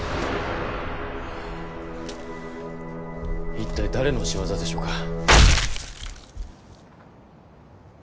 一体誰の仕業でしょうか？